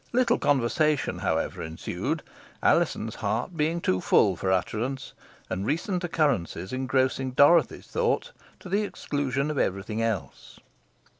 Little conversation, however, ensued; Alizon's heart being too full for utterance, and recent occurrences engrossing Dorothy's thoughts, to the exclusion of every thing else.